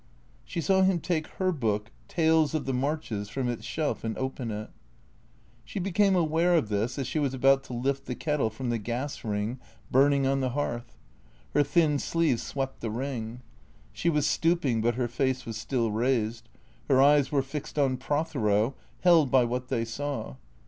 She saw him take her book, " Tales of the Marches," from its shelf and open it. She became aware of this as she was about to lift the kettle from the gas ring burning on the hearth. Her thin sleeve swept the ring. She was stooping, but her face was still raised; her eyes were fixed on Prothero, held by what they saw.